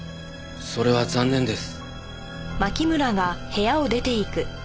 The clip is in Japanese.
それは残念です。